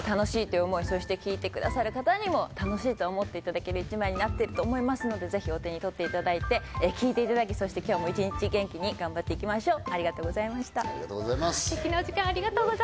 では最後に視聴者の皆さんにぜひですね、この『ＦＵＮ』、私の楽しいという思い、そして聴いてくださる方にも楽しいと思っていただける１枚になってると思いますので、ぜひお手に取っていただいて聴いていただいて、今日も一日元気に頑張っていきましょう！